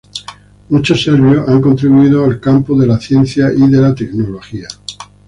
Muchos serbios han contribuido al campo de la ciencia y de la tecnología.